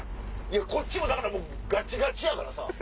こっちもだからガチガチやからさ。